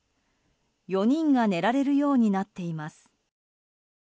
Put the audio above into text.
４人が寝られるようになっています。